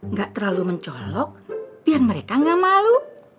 nggak terlalu mencolok biar mereka nggak malu